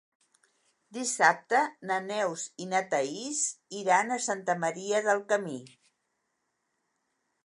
Dissabte na Neus i na Thaís iran a Santa Maria del Camí.